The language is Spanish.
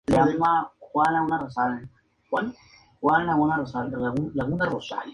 La vía fue concretada hasta Peralillo.